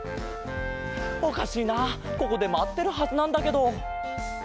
おかしいなここでまってるはずなんだけど。